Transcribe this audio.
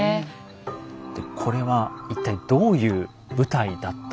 これは一体どういう舞台だったのか。